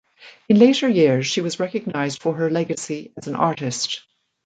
In later years she was recognized for her legacy as an artist.